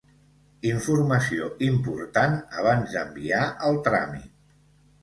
Informació important abans d'enviar el tràmit.